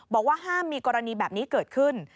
บอกว่าห้ามมีกรณีแบบนี้เกิดขึ้น